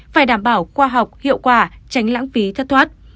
phải đảm bảo khoa học hiệu quả tránh lãng phí thất thoát